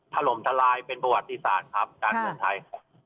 ถล่มทลายเป็นประวัติศาสตร์ครับการเมืองไทยครับ